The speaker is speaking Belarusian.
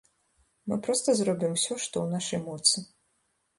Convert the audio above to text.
Мы проста зробім усё, што ў нашай моцы.